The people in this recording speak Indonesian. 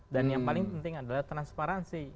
dan yang paling penting adalah transparansi